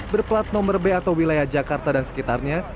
berplat nomor b atau wilayah jakarta dan sekitarnya